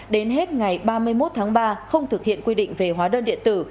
đến hết ngày ba mươi một tháng ba không thực hiện quy định về hóa đơn điện tử